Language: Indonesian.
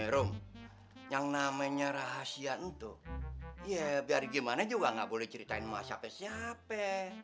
rum yang namanya rahasia untuk biar gimana juga nggak boleh ceritain masaknya siapa